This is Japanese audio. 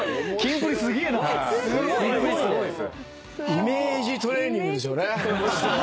イメージトレーニングですよね。